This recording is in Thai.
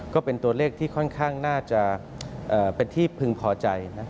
ก็เป็นตัวเลขที่ค่อนข้างน่าจะเป็นที่พึงพอใจนะ